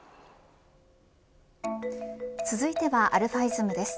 続いてはαｉｓｍです。